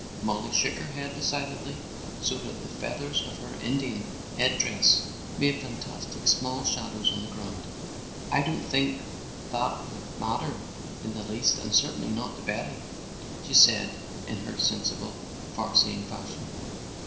Mollie shook her head decidedly, so that the feathers of her Indian head dress made fantastic small shadows on the ground. "I don't think that would matter in the least and certainly not to Betty," she said in her sensible, far seeing fashion.